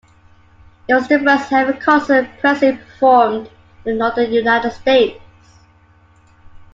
It was the first ever concert Presley performed in the northern United States.